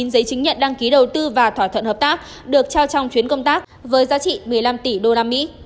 ba mươi chín giấy chứng nhận đăng ký đầu tư và thỏa thuận hợp tác được trao trong chuyến công tác với giá trị một mươi năm tỷ usd